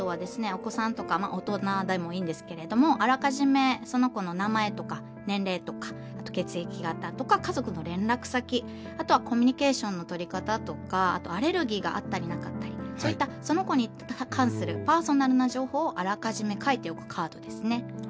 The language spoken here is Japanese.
お子さんとかまあ大人でもいいんですけれどもあらかじめその子の名前とか年齢とかあと血液型とか家族の連絡先あとはコミュニケーションのとり方とかあとアレルギーがあったりなかったりそういったその子に関するパーソナルな情報をあらかじめ書いておくカードですね。